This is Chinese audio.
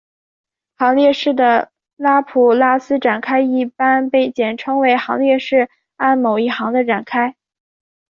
行列式的拉普拉斯展开一般被简称为行列式按某一行的展开。